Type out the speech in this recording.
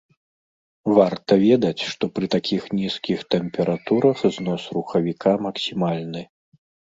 Варта ведаць, што пры такіх нізкіх тэмпературах знос рухавіка максімальны.